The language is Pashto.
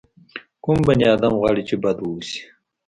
کوم بني ادم غواړي چې بد واوسي.